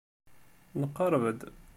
Nqerreb-d.